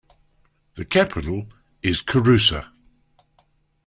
The capital is Kouroussa.